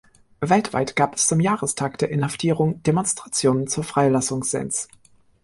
Weltweit gab es zum Jahrestag der Inhaftierung Demonstrationen zur Freilassung Sens.